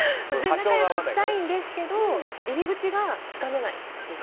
仲良くしたいんですけど入り口がつかめないっていう。